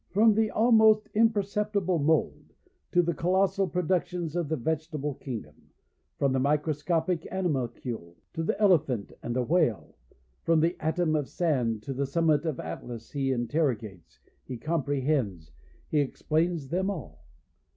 From the almost imperceptible mould to the col losal productions of the vegetable kingdom, from the microscopic animal cule to the elephant and the whale, from the atom of sand to the summit of Atlas he interrogates, he comprehends, he explains them all.